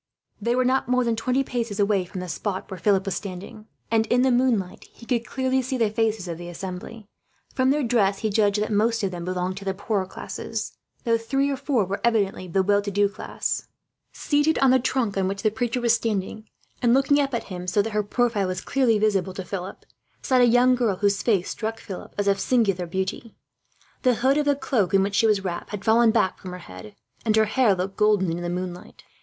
They were not more than twenty paces away from the spot where Philip was standing, and in the moonlight he could clearly see the faces of the assembly, for the preacher was standing with his back to him. From their dress, he judged that most of them belonged to the poorer classes; though three or four were evidently bourgeois of the well to do class. Seated on the trunk on which the preacher was standing, and looking up at him so that her profile was clearly visible to Philip, sat a young girl, whose face struck Philip as of singular beauty. The hood of the cloak in which she was wrapped had fallen back from her head, and her hair looked golden in the moonlight.